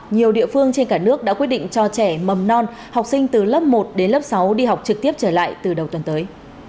nhiều địa phương trên cả nước đã quyết định cho trẻ mầm non học sinh từ lớp một đến lớp sáu đi học trực tiếp trở lại từ đầu tuần tới